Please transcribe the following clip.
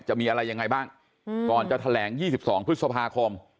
จะมีอะไรยังไงบ้างก่อนจะแถลง๒๒พฤษภาคม